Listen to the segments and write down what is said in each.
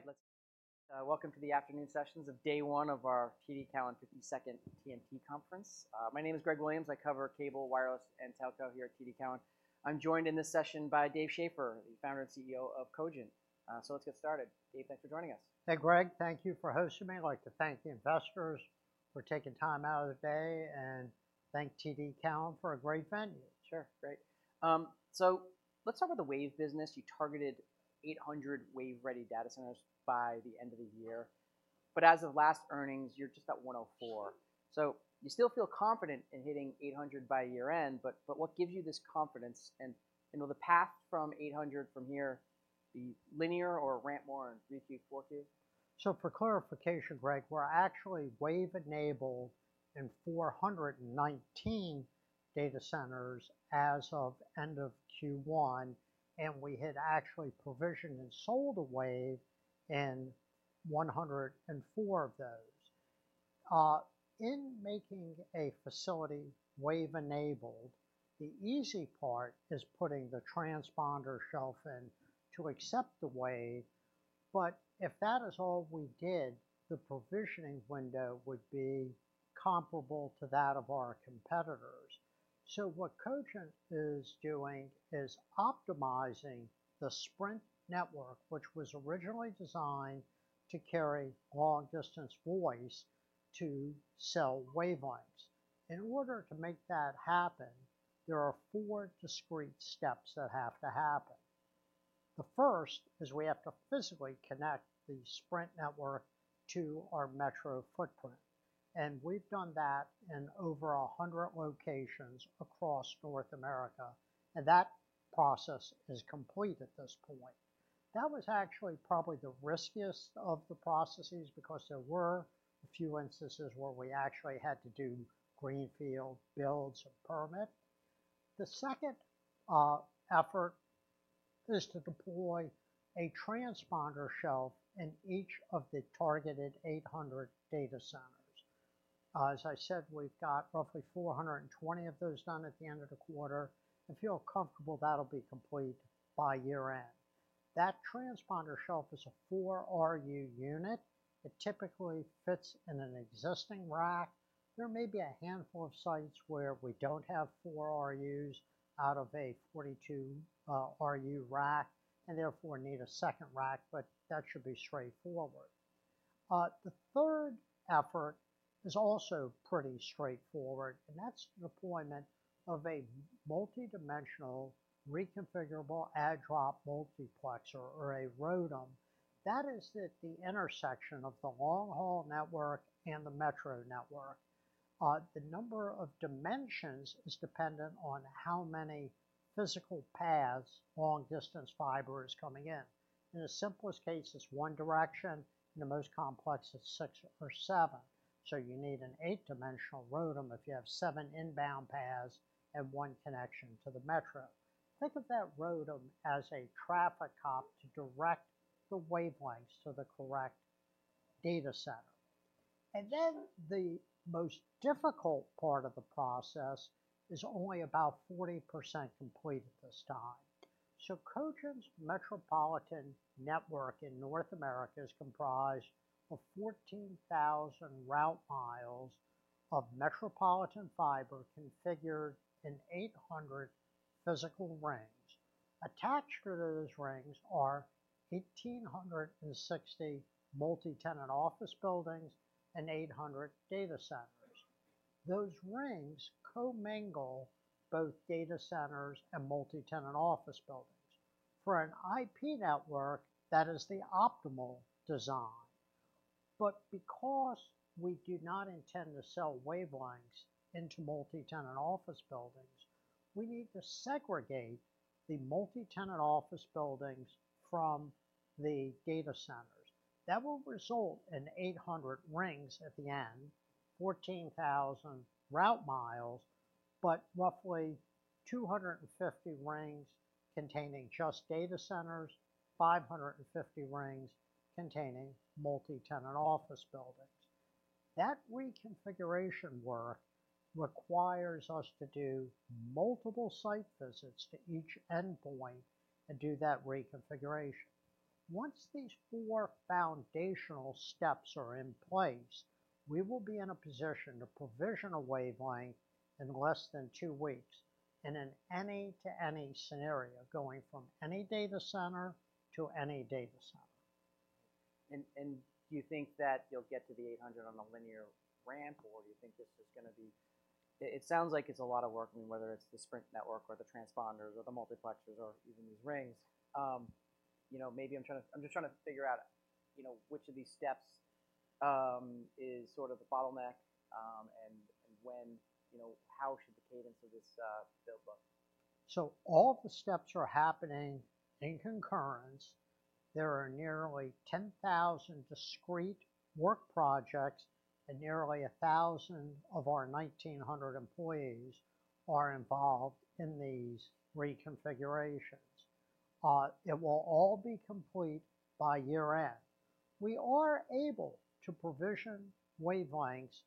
All right, let's welcome to the afternoon sessions of day one of our TD Cowen 52nd TMT conference. My name is Greg Williams. I cover cable, wireless, and telco here at TD Cowen. I'm joined in this session by Dave Schaeffer, the founder and CEO of Cogent. So let's get started. Dave, thanks for joining us. Hey, Greg, thank you for hosting me. I'd like to thank the investors for taking time out of the day, and thank TD Cowen for a great venue. Sure, great. So let's talk about the Wave business. You targeted 800 Wave-ready data centers by the end of the year, but as of last earnings, you're just at 104. So you still feel confident in hitting 800 by year-end, but what gives you this confidence? And, you know, the path from 800 from here, will it be linear or ramp more in Q3, Q4? So for clarification, Greg, we're actually Wave-enabled in 419 data centers as of end of Q1, and we had actually provisioned and sold Wave in 104 of those. In making a facility Wave-enabled, the easy part is putting the transponder shelf in to accept the Wave. But if that is all we did, the provisioning window would be comparable to that of our competitors. So what Cogent is doing is optimizing the Sprint network, which was originally designed to carry long-distance voice, to sell wavelengths. In order to make that happen, there are four discrete steps that have to happen. The first is we have to physically connect the Sprint network to our metro footprint, and we've done that in over 100 locations across North America, and that process is complete at this point. That was actually probably the riskiest of the processes because there were a few instances where we actually had to do greenfield builds and permit. The second effort is to deploy a transponder shelf in each of the targeted 800 data centers. As I said, we've got roughly 420 of those done at the end of the quarter, and feel comfortable that'll be complete by year-end. That transponder shelf is a four RU unit. It typically fits in an existing rack. There may be a handful of sites where we don't have four RUs out of a 42 RU rack and therefore need a second rack, but that should be straightforward. The third effort is also pretty straightforward, and that's deployment of a multi-dimensional reconfigurable add-drop multiplexer, or a ROADM. That is at the intersection of the long-haul network and the metro network. The number of dimensions is dependent on how many physical paths long-distance fiber is coming in. In the simplest case, it's one direction, in the most complex, it's six or seven. So you need an eight-dimensional ROADM if you have seven inbound paths and one connection to the metro. Think of that ROADM as a traffic cop to direct the wavelengths to the correct data center. Sure. Then the most difficult part of the process is only about 40% complete at this time. Cogent's metropolitan network in North America is comprised of 14,000 route miles of metropolitan fiber configured in 800 physical rings. Attached to those rings are 1,860 multi-tenant office buildings and 800 data centers. Those rings commingle both data centers and multi-tenant office buildings. For an IP network, that is the optimal design. Because we do not intend to sell wavelengths into multi-tenant office buildings, we need to segregate the multi-tenant office buildings from the data centers. That will result in 800 rings at the end, 14,000 route miles, but roughly 250 rings containing just data centers, 550 rings containing multi-tenant office buildings. That reconfiguration work requires us to do multiple site visits to each endpoint and do that reconfiguration. Once these four foundational steps are in place, we will be in a position to provision a wavelength in less than two weeks, and in any-to-any scenario, going from any data center to any data center. Do you think that you'll get to the 800 on the linear ramp, or do you think this is gonna be... It sounds like it's a lot of work, I mean, whether it's the Sprint network or the transponders or the multiplexers or even these rings. You know, maybe I'm trying to—I'm just trying to figure out, you know, which of these steps is sort of the bottleneck, and when, you know, how should the cadence of this build look? So all the steps are happening in concurrence. There are nearly 10,000 discrete work projects, and nearly 1,000 of our 1,900 employees are involved in these reconfigurations. It will all be complete by year-end. We are able to provision wavelengths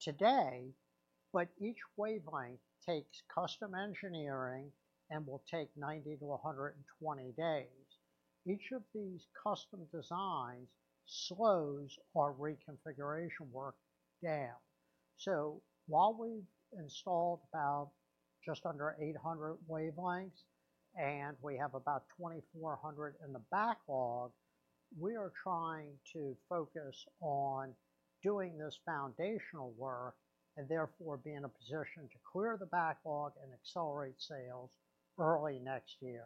today, but each wavelength takes custom engineering and will take 90 to 120 days. Each of these custom designs slows our reconfiguration work down. So while we've installed about just under 800 wavelengths, and we have about 2,400 in the backlog, we are trying to focus on doing this foundational work, and therefore, be in a position to clear the backlog and accelerate sales early next year.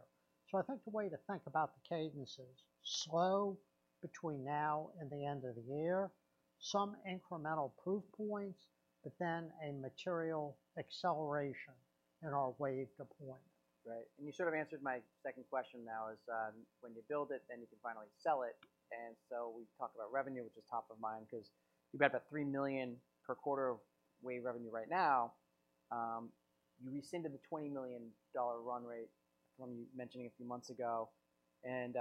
So I think the way to think about the cadence is slow between now and the end of the year, some incremental proof points, but then a material acceleration in our wave deployment. Right. And you sort of answered my second question now is, when you build it, then you can finally sell it. And so we've talked about revenue, which is top of mind, 'cause you've got about $3 million per quarter of wave revenue right now. You rescinded the $20 million run rate from you mentioning a few months ago. And,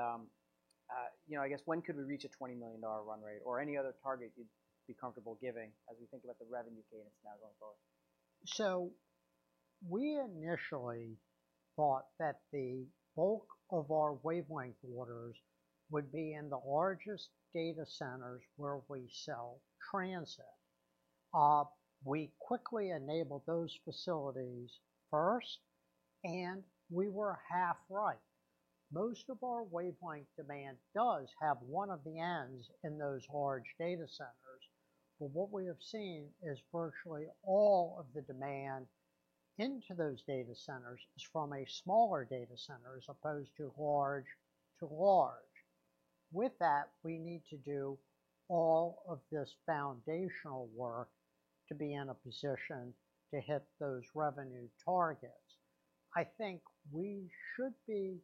you know, I guess when could we reach a $20 million run rate or any other target you'd be comfortable giving as we think about the revenue cadence now going forward? So we initially thought that the bulk of our wavelength orders would be in the largest data centers where we sell transit. We quickly enabled those facilities first, and we were half right. Most of our wavelength demand does have one of the ends in those large data centers, but what we have seen is virtually all of the demand into those data centers is from a smaller data center, as opposed to large to large. With that, we need to do all of this foundational work to be in a position to hit those revenue targets. I think we should be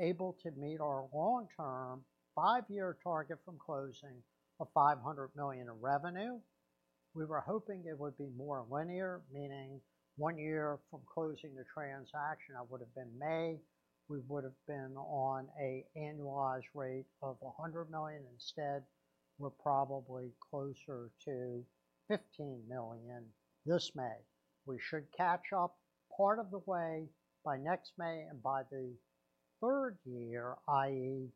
able to meet our long-term, five-year target from closing of $500 million in revenue. We were hoping it would be more linear, meaning one year from closing the transaction, that would have been May, we would have been on an annualized rate of $100 million. Instead, we're probably closer to $15 million this May. We should catch up part of the way by next May, and by the third year, i.e.,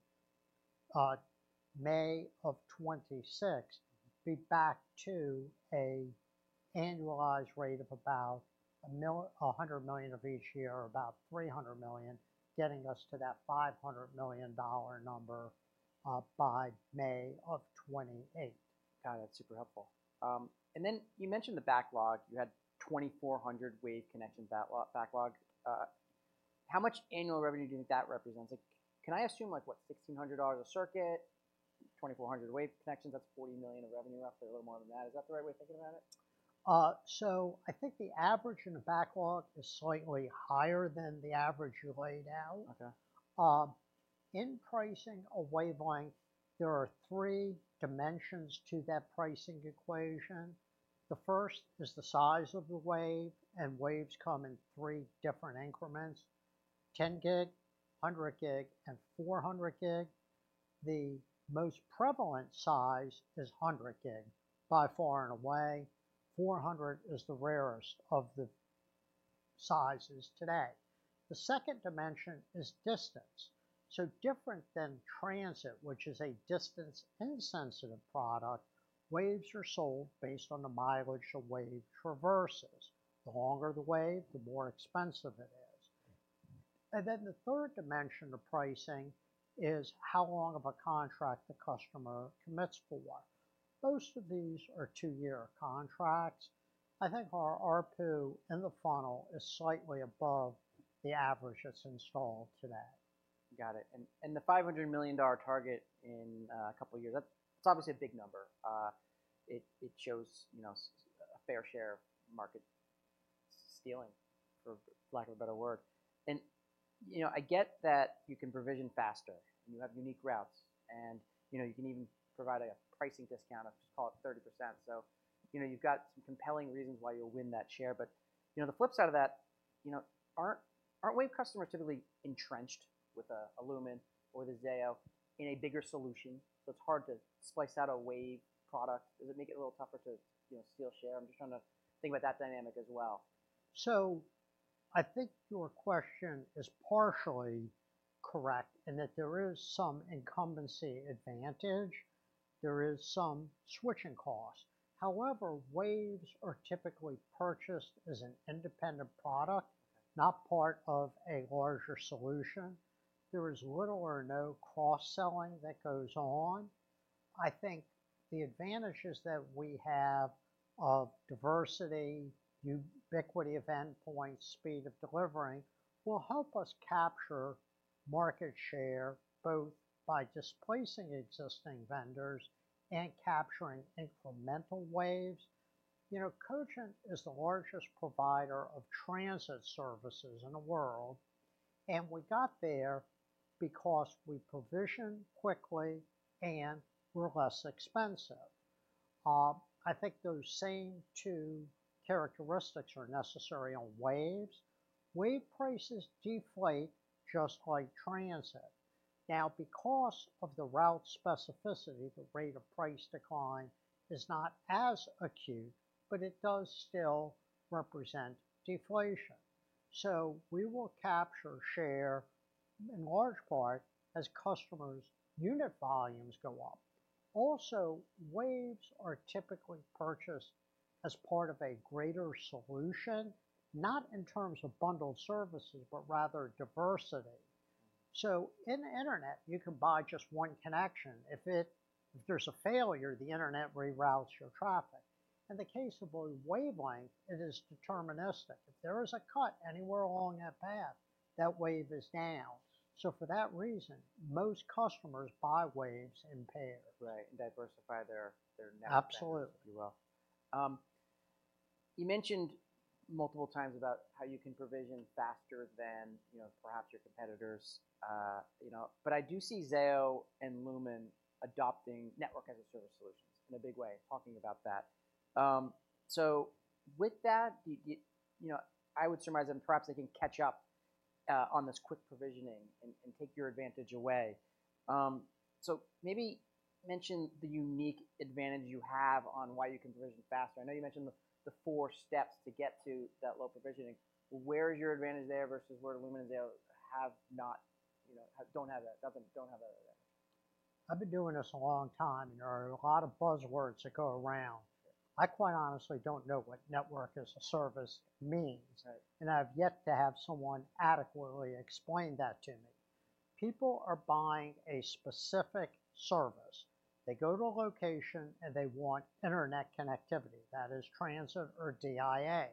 May of 2026, be back to an annualized rate of about $100 million each year, about $300 million, getting us to that $500 million number, by May of 2028. Got it. That's super helpful. And then you mentioned the backlog. You had 2,400 wave connections backlog. How much annual revenue do you think that represents? Like, can I assume, like what, $1,600 a circuit, 2,400 wave connections, that's $40 million of revenue, roughly a little more than that. Is that the right way of thinking about it? I think the average in the backlog is slightly higher than the average you laid out. Okay. In pricing a wavelength, there are three dimensions to that pricing equation. The first is the size of the wave, and waves come in three different increments: 10 gig, 100 gig, and 400 gig. The most prevalent size is 100 gig, by far and away. 400 is the rarest of the sizes today. The second dimension is distance. So different than transit, which is a distance-insensitive product, waves are sold based on the mileage a wave traverses. The longer the wave, the more expensive it is. And then the third dimension of pricing is how long of a contract the customer commits for. Most of these are two-year contracts. I think our ARPU in the funnel is slightly above the average that's installed today. Got it. The $500 million target in a couple of years, it's obviously a big number. It shows, you know, a fair share of market stealing, for lack of a better word. And you know, I get that you can provision faster, and you have unique routes, and you know, you can even provide a pricing discount of, just call it 30%. So you know, you've got some compelling reasons why you'll win that share. But you know, the flip side of that, you know, aren't wave customers typically entrenched with Lumen or Zayo in a bigger solution, so it's hard to splice out a wave product? Does it make it a little tougher to you know, steal share? I'm just trying to think about that dynamic as well. So I think your question is partially correct, in that there is some incumbency advantage, there is some switching cost. However, waves are typically purchased as an independent product, not part of a larger solution. There is little or no cross-selling that goes on. I think the advantages that we have of diversity, ubiquity of endpoint, speed of delivering, will help us capture market share, both by displacing existing vendors and capturing incremental waves. You know, Cogent is the largest provider of transit services in the world, and we got there because we provision quickly, and we're less expensive. I think those same two characteristics are necessary on waves. Wave prices deflate just like transit. Now, because of the route specificity, the rate of price decline is not as acute, but it does still represent deflation. So we will capture share, in large part, as customers' unit volumes go up. Also, waves are typically purchased as part of a greater solution, not in terms of bundled services, but rather diversity. So in internet, you can buy just one connection. If there's a failure, the internet reroutes your traffic. In the case of a wavelength, it is deterministic. If there is a cut anywhere along that path, that wave is down. So for that reason, most customers buy waves in pairs. Right, and diversify their, their network- Absolutely If you will. You mentioned multiple times about how you can provision faster than, you know, perhaps your competitors. But I do see Zayo and Lumen adopting network as a service solutions in a big way, talking about that. So with that, you know, I would surmise that perhaps they can catch up on this quick provisioning and take your advantage away. So maybe mention the unique advantage you have on why you can provision faster. I know you mentioned the four steps to get to that low provisioning. Where is your advantage there versus where Lumen and Zayo have not, you know, don't have that? I've been doing this a long time, and there are a lot of buzzwords that go around. I quite honestly don't know what network as a service means, and I've yet to have someone adequately explain that to me. People are buying a specific service. They go to a location, and they want internet connectivity; that is, transit or DIA.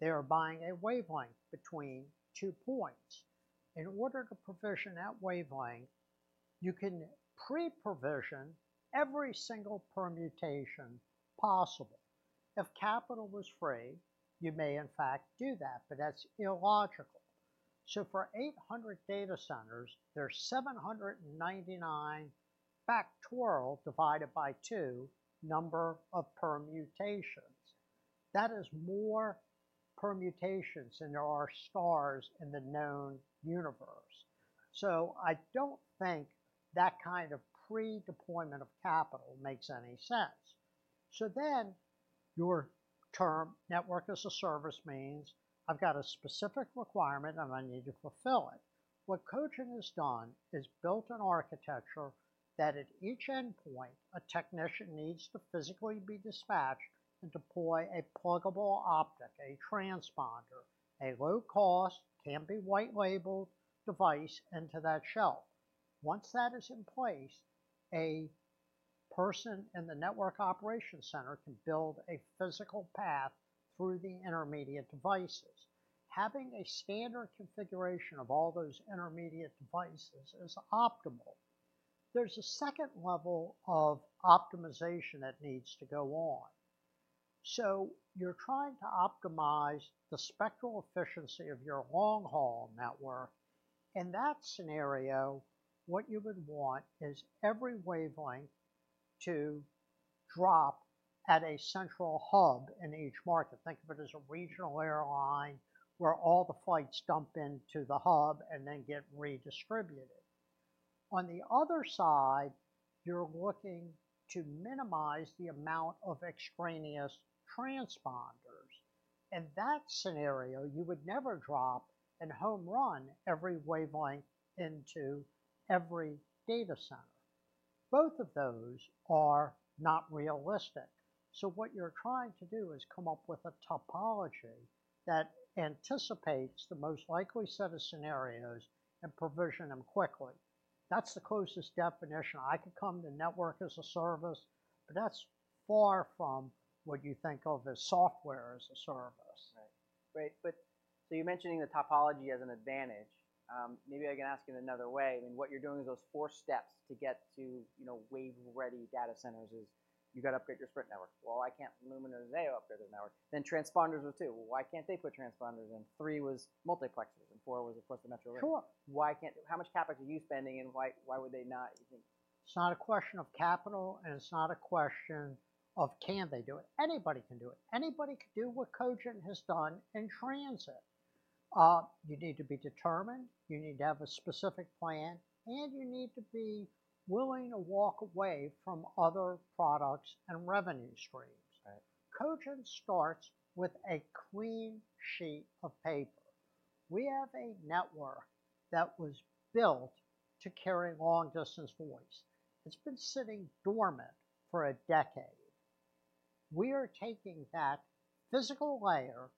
They are buying a wavelength between two points. In order to provision that wavelength, you can pre-provision every single permutation possible. If capital was free, you may in fact do that, but that's illogical. So for 800 data centers, there are 799 factorial divided by two number of permutations. That is more permutations than there are stars in the known universe. So I don't think that kind of pre-deployment of capital makes any sense. So then, your term, network as a service, means I've got a specific requirement, and I need to fulfill it. What Cogent has done is built an architecture that at each endpoint, a technician needs to physically be dispatched and deploy a pluggable optic, a transponder, a low-cost, can-be-white-labeled device into that shelf. Once that is in place, a person in the network operations center can build a physical path through the intermediate devices. Having a standard configuration of all those intermediate devices is optimal. There's a second level of optimization that needs to go on. So you're trying to optimize the spectral efficiency of your long-haul network. In that scenario, what you would want is every wavelength to drop at a central hub in each market. Think of it as a regional airline, where all the flights dump into the hub and then get redistributed. On the other side, you're looking to minimize the amount of extraneous transponders. In that scenario, you would never drop and home run every wavelength into every data center. Both of those are not realistic. So what you're trying to do is come up with a topology that anticipates the most likely set of scenarios and provision them quickly. That's the closest definition I could come to network as a service, but that's far from what you think of as software as a service. Right. Great, but so you're mentioning the topology as an advantage. Maybe I can ask it another way. I mean, what you're doing is those four steps to get to, you know, wave-ready data centers is: you've got to upgrade your Sprint network. Well, I can't, Lumen and Zayo upgrade their network. Then transponders were two. Well, why can't they put transponders in? Three was multiplexers, and four was, of course, the metro- Sure. How much capital are you spending, and why, why would they not, you think? It's not a question of capital, and it's not a question of can they do it. Anybody can do it. Anybody could do what Cogent has done in transit. You need to be determined, you need to have a specific plan, and you need to be willing to walk away from other products and revenue streams. Right. Cogent starts with a clean sheet of paper. We have a network that was built to carry long-distance voice. It's been sitting dormant for a decade. We are taking that physical layer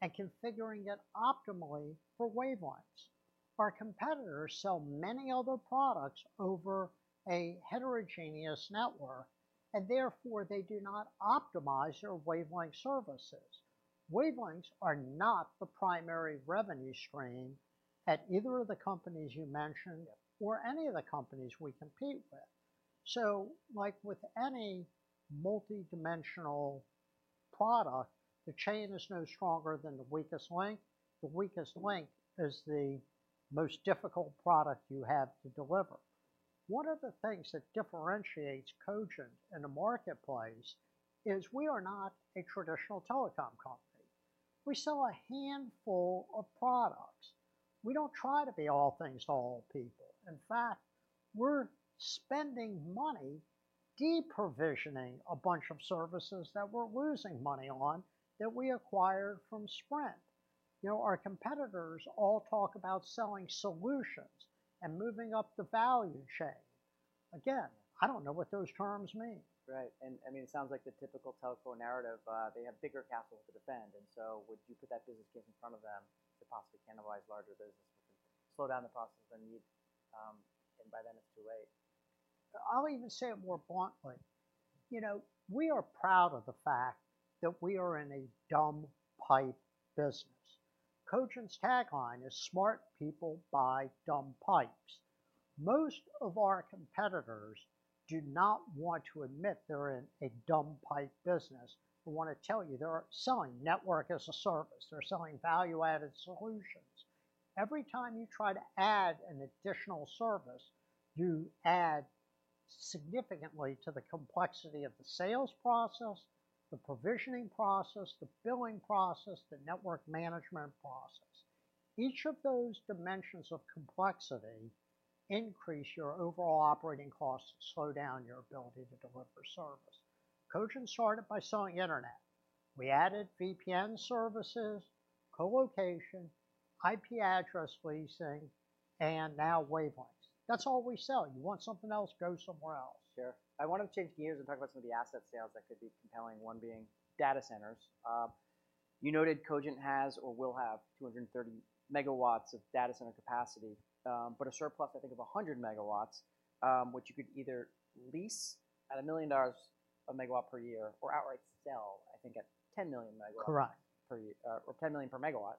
and configuring it optimally for wavelengths. Our competitors sell many other products over a heterogeneous network, and therefore, they do not optimize their wavelength services. Wavelengths are not the primary revenue stream at either of the companies you mentioned- Yep... or any of the companies we compete with. So like with any multidimensional product, the chain is no stronger than the weakest link. The weakest link is the most difficult product you have to deliver.... One of the things that differentiates Cogent in the marketplace is we are not a traditional telecom company. We sell a handful of products. We don't try to be all things to all people. In fact, we're spending money de-provisioning a bunch of services that we're losing money on, that we acquired from Sprint. You know, our competitors all talk about selling solutions and moving up the value chain. Again, I don't know what those terms mean. Right. And, I mean, it sounds like the typical telephone narrative, they have bigger castles to defend, and so would you put that business case in front of them to possibly cannibalize larger businesses, slow down the process than you need, and by then it's too late? I'll even say it more bluntly. You know, we are proud of the fact that we are in a dumb pipe business. Cogent's tagline is, "Smart people buy dumb pipes." Most of our competitors do not want to admit they're in a dumb pipe business, but want to tell you they're selling network as a service. They're selling value-added solutions. Every time you try to add an additional service, you add significantly to the complexity of the sales process, the provisioning process, the billing process, the network management process. Each of those dimensions of complexity increase your overall operating costs, slow down your ability to deliver service. Cogent started by selling internet. We added VPN services, colocation, IP address leasing, and now wavelengths. That's all we sell. You want something else, go somewhere else. Sure. I want to change gears and talk about some of the asset sales that could be compelling, one being data centers. You noted Cogent has or will have 230 megawatts of data center capacity, but a surplus, I think, of 100 megawatts, which you could either lease at $1 million a megawatt per year or outright sell, I think, at 10 million megawatts- Correct. - per year, or $10 million per megawatt.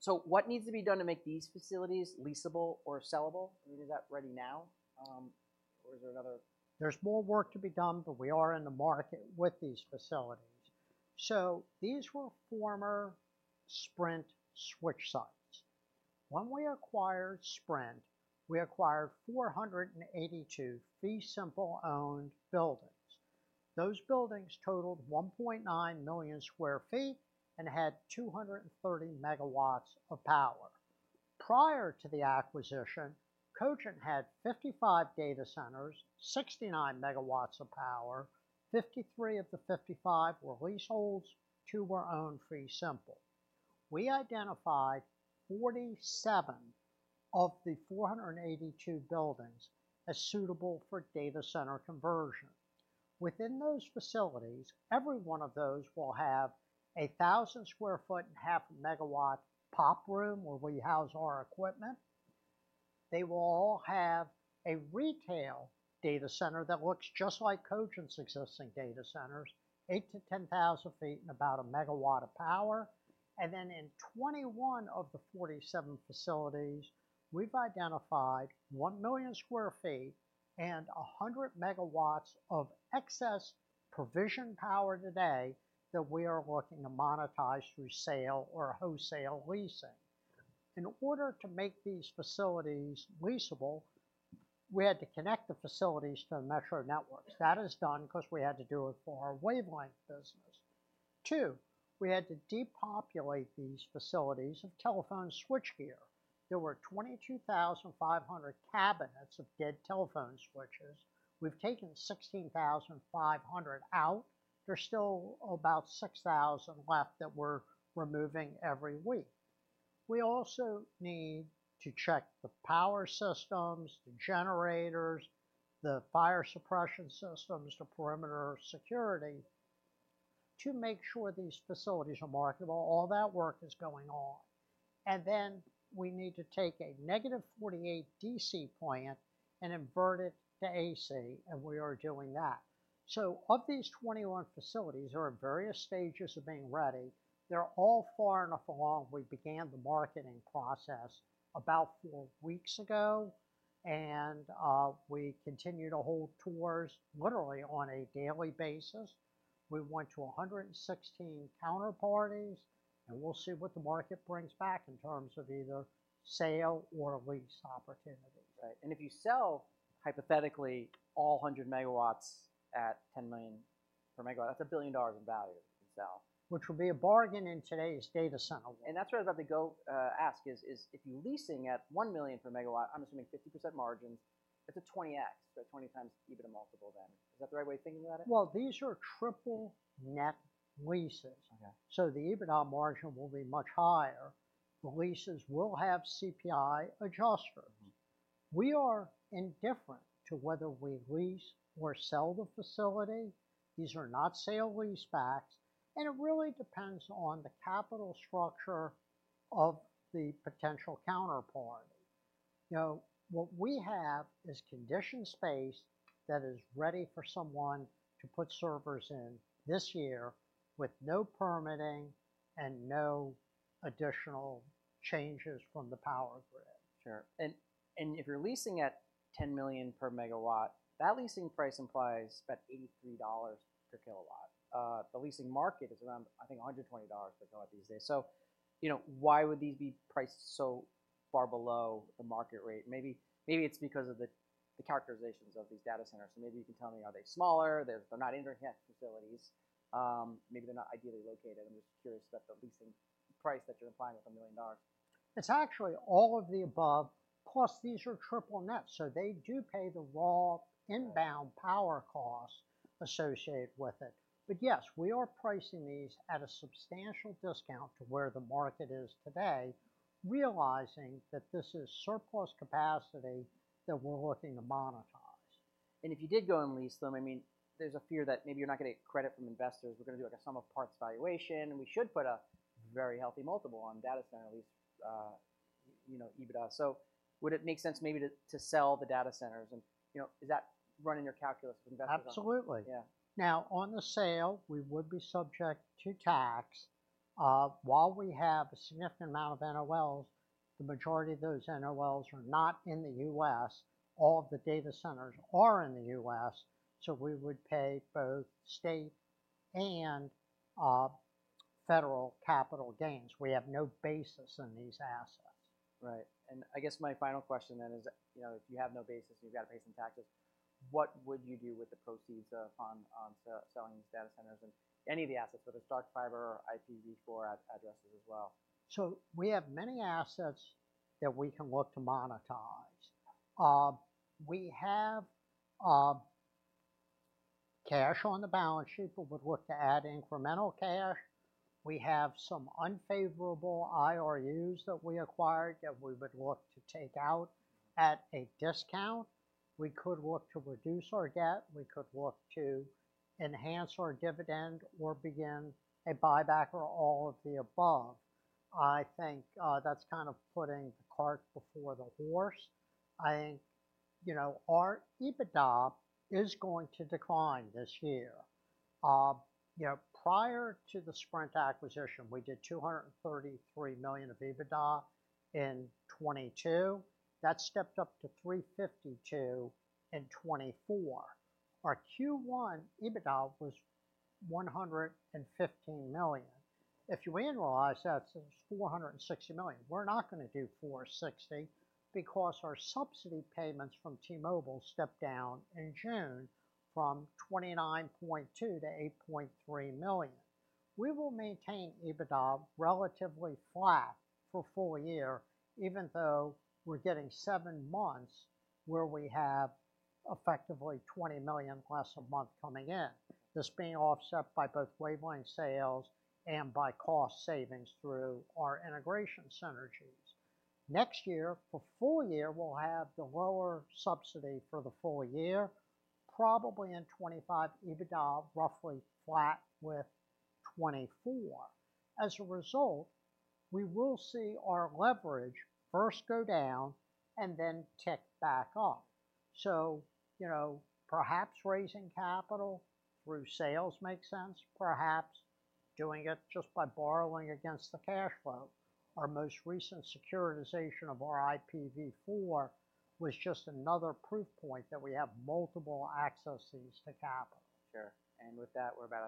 So what needs to be done to make these facilities leasable or sellable? I mean, is that ready now, or is there another- There's more work to be done, but we are in the market with these facilities. These were former Sprint switch sites. When we acquired Sprint, we acquired 482 fee-simple-owned buildings. Those buildings totaled 1.9 million sq ft and had 230 MW of power. Prior to the acquisition, Cogent had 55 data centers, 69 MW of power, 53 of the 55 were leaseholds, 2 were owned fee-simple. We identified 47 of the 482 buildings as suitable for data center conversion. Within those facilities, every one of those will have a 1,000 sq ft and 0.5 MW PoP room where we house our equipment. They will all have a retail data center that looks just like Cogent's existing data centers, 8,000-10,000 sq ft and about a megawatt of power. And then in 21 of the 47 facilities, we've identified 1 million sq ft and 100 MW of excess provision power today, that we are looking to monetize through sale or wholesale leasing. In order to make these facilities leasable, we had to connect the facilities to the metro networks. That is done 'cause we had to do it for our wavelength business. Two, we had to depopulate these facilities of telephone switch gear. There were 22,500 cabinets of dead telephone switches. We've taken 16,500 out. There's still about 6,000 left that we're removing every week. We also need to check the power systems, the generators, the fire suppression systems, the perimeter security, to make sure these facilities are marketable. All that work is going on. Then we need to take a negative 48 DC plant and invert it to AC, and we are doing that. So of these 21 facilities are in various stages of being ready. They're all far enough along. We began the marketing process about 4 weeks ago, and we continue to hold tours literally on a daily basis. We went to 116 counterparties, and we'll see what the market brings back in terms of either sale or lease opportunities. Right. And if you sell, hypothetically, all 100 megawatts at $10 million per megawatt, that's $1 billion in value itself. Which will be a bargain in today's data center. That's where I was about to go, ask is, is if you're leasing at $1 million per megawatt, I'm assuming 50% margins, it's a 20x, so 20 times EBITDA multiple then. Is that the right way of thinking about it? Well, these are triple net leases. Okay. The EBITDA margin will be much higher. The leases will have CPI adjusters. Mm. We are indifferent to whether we lease or sell the facility. These are not sale leasebacks, and it really depends on the capital structure of the potential counterparty. You know, what we have is conditioned space that is ready for someone to put servers in this year with no permitting and no additional changes from the power grid. Sure. If you're leasing at $10 million per megawatt. That leasing price implies about $83 per kilowatt. The leasing market is around, I think, $120 per kilowatt these days. So, you know, why would these be priced so far below the market rate? Maybe it's because of the characterizations of these data centers. So maybe you can tell me, are they smaller? They're not internet facilities. Maybe they're not ideally located. I'm just curious about the leasing price that you're implying with $1 million. It's actually all of the above, plus these are triple net, so they do pay the raw inbound power costs associated with it. But yes, we are pricing these at a substantial discount to where the market is today, realizing that this is surplus capacity that we're looking to monetize. If you did go and lease them, I mean, there's a fear that maybe you're not gonna get credit from investors. We're gonna do, like, a sum of parts valuation, and we should put a very healthy multiple on data center lease, you know, EBITDA. So would it make sense maybe to sell the data centers? And, you know, is that run in your calculus of investors? Absolutely. Yeah. Now, on the sale, we would be subject to tax. While we have a significant amount of NOLs, the majority of those NOLs are not in the US. All of the data centers are in the US, so we would pay both state and federal capital gains. We have no basis in these assets. Right. I guess my final question then is, you know, if you have no basis and you've got to pay some taxes, what would you do with the proceeds on selling these data centers and any of the assets, whether it's dark fiber or IPv4 addresses as well? So we have many assets that we can look to monetize. We have cash on the balance sheet. We would look to add incremental cash. We have some unfavorable IRUs that we acquired that we would look to take out at a discount. We could look to reduce our debt, we could look to enhance our dividend, or begin a buyback, or all of the above. I think, that's kind of putting the cart before the horse. I think, you know, our EBITDA is going to decline this year. You know, prior to the Sprint acquisition, we did $233 million of EBITDA in 2022. That stepped up to $352 million in 2024. Our Q1 EBITDA was $115 million. If you annualize that, it's $460 million. We're not gonna do $460 million, because our subsidy payments from T-Mobile stepped down in June from $29.2-$8.3 million. We will maintain EBITDA relatively flat for full year, even though we're getting 7 months where we have effectively $20 million less a month coming in. This being offset by both Wavelength sales and by cost savings through our integration synergies. Next year, for full year, we'll have the lower subsidy for the full year, probably in 2025, EBITDA, roughly flat with 2024. As a result, we will see our leverage first go down and then tick back up. So, you know, perhaps raising capital through sales makes sense. Perhaps doing it just by borrowing against the cash flow. Our most recent securitization of our IPv4 was just another proof point that we have multiple accesses to capital. Sure. And with that, we're about out of time-